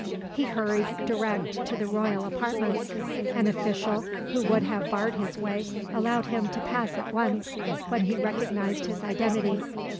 He hurried direct to the royal apartments. An official who would have barred his way allowed him to pass at once, when he recognized his identity.